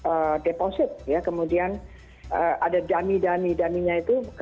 satu deposit ya kemudian ada dummy dummy dummy nya itu